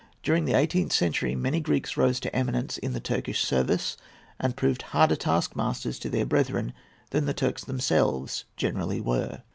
During the eighteenth century, many Greeks rose to eminence in the Turkish service, and proved harder task masters to their brethren than the Turks themselves generally were.